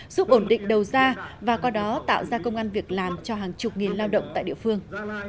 giúp ổn định đầu ra và qua đó tạo ra công an việc làm cho hàng chục nghìn lao động tại địa phương